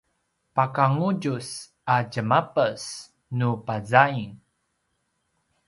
paka ngudjus a djemapes nu pazaing